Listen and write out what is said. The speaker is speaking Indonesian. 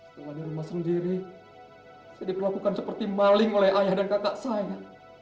setelah dirumah sendiri saya diperlakukan seperti maling oleh ayah dan kakak saya